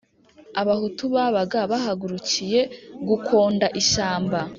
abahutu babaga bahagurukiye gukonda ishyamba